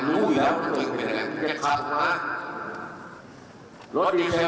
ถ้ามันแก้อะไรอีกต่อไว้ก็วิ่งรถไว้ที่เหมือนคู่ต่อไว้ก็ห้ามว่ามีเศรษฐ์วิ่งรถแบบนี้